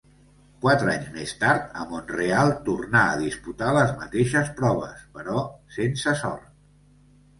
Quatre anys més tard, a Mont-real tornà a disputar les mateixes proves, però sense sort.